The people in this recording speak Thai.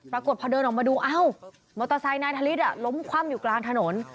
ปรากฏพอเดินออกมาดูอ้าวมอเตอร์ไซค์นายธลิศล้มคว่ำอยู่กลางถนน